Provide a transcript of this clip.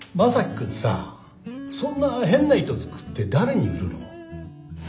君さぁそんな変な糸作って誰に売るの？